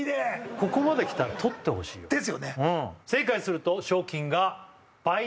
ここまできたらとってほしいよですよね